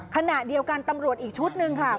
ขณะเดียวกันตำรวจอีกชุดหนึ่งค่ะ